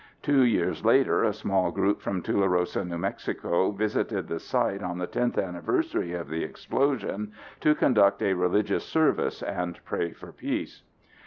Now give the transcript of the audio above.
Two years later, a small group from Tularosa, NM visited the site on the 10th anniversary of the explosion to conduct a religious service and pray for peace.